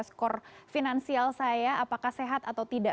skor finansial saya apakah sehat atau tidak